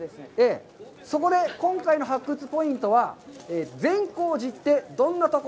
そこで今回の発掘ポイントは、「善光寺ってどんな所？